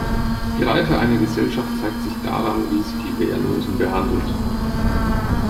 Die Reife einer Gesellschaft zeigt sich daran, wie sie die Wehrlosen behandelt.